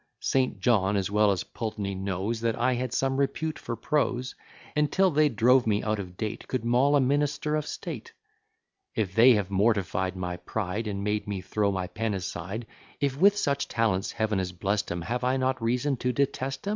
St. John, as well as Pultney, knows That I had some repute for prose; And, till they drove me out of date Could maul a minister of state. If they have mortify'd my pride, And made me throw my pen aside; If with such talents Heav'n has blest 'em, Have I not reason to detest 'em?